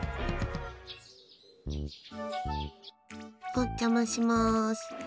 お邪魔しまーす！